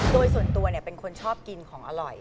โดยส่วนตัวเป็นคนชอบกินของอร่อย